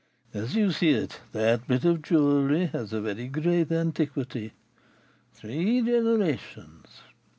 As you see it, that bit of jewelry has a very great antiquity, three generations.